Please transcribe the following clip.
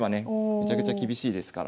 めちゃくちゃ厳しいですから。